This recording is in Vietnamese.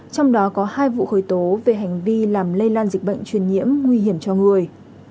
trong đó có hai vụ khởi tố về hành vi làm lây lan dịch bệnh truyền nhiễm nguy hiểm cho người